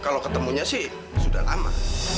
kalau ketemunya sih sudah lama